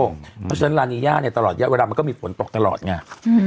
ในนี้มันลานีย่าไงตลอดเวลามันก็มีฝนตกตลอดไง